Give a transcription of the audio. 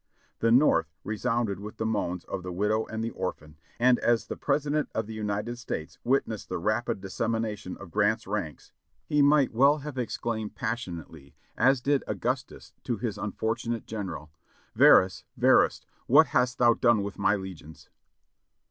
The North resounded with the moans of the widow ancl orphan, and as the President of the United States witnessed the rapid decimation of Grant's ranks he might well have exclaimed passionately, as did Augustus to his unfortunate general, "Varus, Varus, what hast thou done with my legions?"